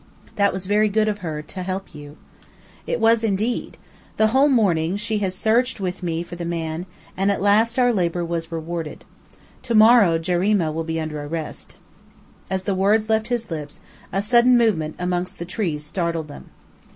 "That was very good of her to help you." "It was, indeed. The whole morning she has searched with me for the man, and at last our labor was rewarded. To morrow Jarima will be under arrest." As the words left his lips, a sudden movement amongst the trees startled them.